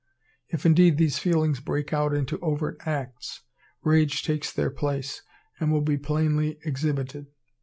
If indeed these feelings break out into overt acts, rage takes their place, and will be plainly exhibited.